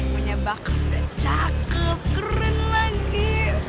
punya bakat udah cakep keren lagi